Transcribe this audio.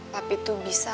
tapi tuh bisa